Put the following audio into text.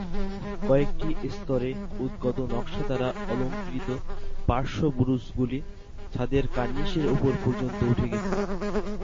কয়েকটি স্তরে উদ্গত নকশা দ্বারা অলঙ্কৃত পার্শ্ব বুরুজগুলি ছাদের কার্নিশের উপর পর্যন্ত উঠে গেছে।